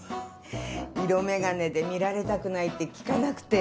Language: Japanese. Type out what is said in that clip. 色眼鏡で見られたくないって聞かなくて。